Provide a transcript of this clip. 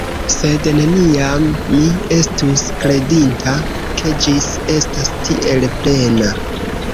Sed neniam mi estus kredinta, ke ĝi estas tiel plena.